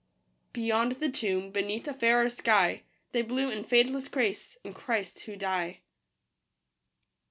Beyond the tomb, beneath a fairer sky, They bloom in fadeless grace in Christ who die.